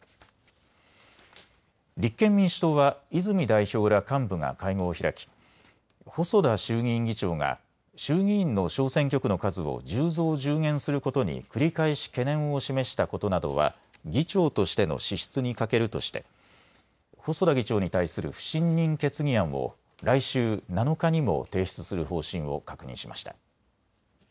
立憲民主党は泉代表ら幹部が会合を開き細田衆議院議長が衆議院の小選挙区の数を１０増１０減することに繰り返し懸念を示したことなどは議長としての資質に欠けるとして細田議長に対する不信任決議案を来週７日にも提出する方針を確認しました。